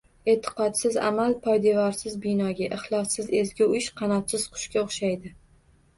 Eʼtiqodsiz amal poydevorsiz binoga, ixlossiz ezgu ish qanotsiz qushga o‘xshaydi.